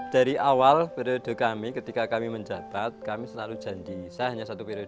dari awal periode kami ketika kami menjabat kami selalu janji saya hanya satu periode